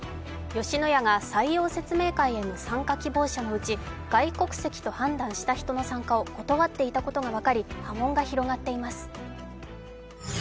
吉野家が採用説明会への参加希望者のうち、外国籍と判断した人の参加を断っていたことが分かり波紋が広がっています。